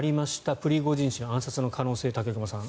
プリゴジン氏の暗殺の可能性武隈さん